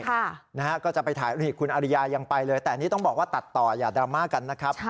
ค่ะนะฮะก็จะไปถ่ายนี่คุณอริยายังไปเลยแต่อันนี้ต้องบอกว่าตัดต่ออย่าดราม่ากันนะครับ